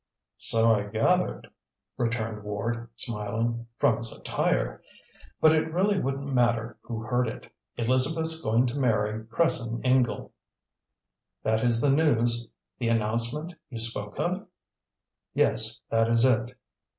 "So I gathered," returned Ward, smiling, "from his attire. But it really wouldn't matter who heard it. Elizabeth's going to marry Cresson Ingle." "That is the news the announcement you spoke of?" "Yes, that is it."